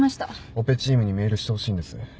オペチームにメールしてほしいんです。